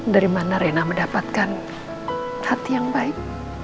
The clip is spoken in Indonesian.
dari mana rena mendapatkan hati yang baik